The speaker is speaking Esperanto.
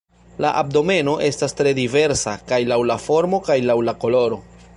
La abdomeno estas tre diversa, kaj laŭ la formo kaj laŭ la koloro.